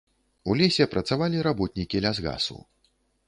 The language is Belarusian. У лесе працавалі работнікі лясгасу.